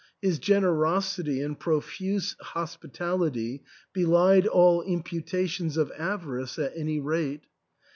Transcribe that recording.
His gener osity and profuse hospitality belied all imputations of avarice at any rate.